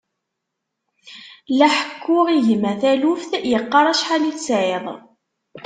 La ḥekkuɣ i gma taluft, yeqqar acḥal i tesɛiḍ.